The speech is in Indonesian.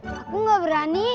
aku gak berani